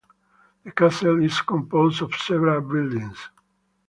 The castle is composed of several buildings.